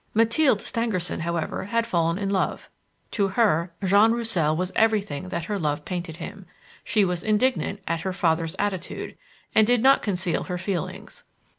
Mathilde Stangerson, however, had fallen in love. To her Jean Roussel was everything that her love painted him. She was indignant at her father's attitude, and did not conceal her feelings.